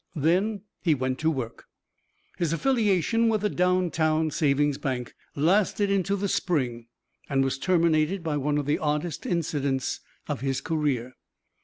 Then he went to work. His affiliation with the Down Town Savings Bank lasted into the spring and was terminated by one of the oddest incidents of his career.